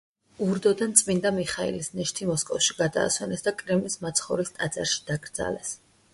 ურდოდან წმინდა მიხეილის ნეშტი მოსკოვში გადაასვენეს და კრემლის მაცხოვრის ტაძარში დაკრძალეს.